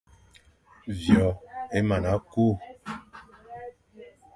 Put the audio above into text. Vyo é mana kü,